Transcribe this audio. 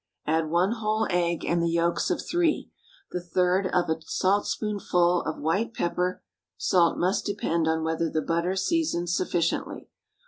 Add one whole egg and the yolks of three, the third of a saltspoonful of white pepper (salt must depend on whether the butter seasons sufficiently).